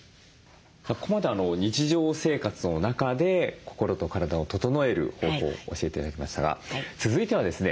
ここまで日常生活の中で心と体を整える方法を教えて頂きましたが続いてはですね